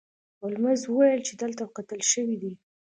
هولمز وویل چې دلته قتل شوی دی.